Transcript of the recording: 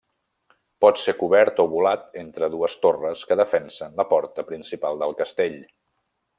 Pot ser cobert o volat entre dues torres que defensen la porta principal del castell.